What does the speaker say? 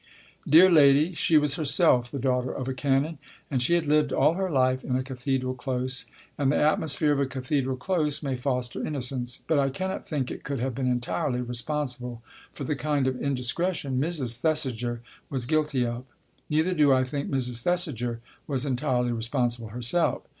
Dear lady, she was herself the daughter of a Canon, and she had lived all her life in a cathedral close, and the atmosphere of a cathedral close may foster innocence, but I cannot think it could have been entirely responsible for the kind of indiscretion Mrs. Thesiger was guilty of. Neither do I think Mrs. Thesiger was entirely responsible herself.